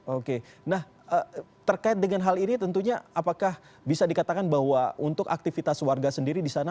oke nah terkait dengan hal ini tentunya apakah bisa dikatakan bahwa untuk aktivitas warga sendiri di sana